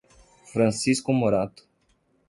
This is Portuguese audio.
Francisco Morato